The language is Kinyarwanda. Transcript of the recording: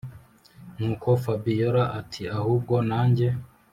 nuko fabiora ati”ahubwo najye